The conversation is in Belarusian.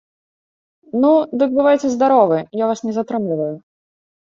Ну, дык бывайце здаровы, я вас не затрымліваю.